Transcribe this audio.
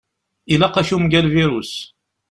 Ilaq-ak umgal-virus.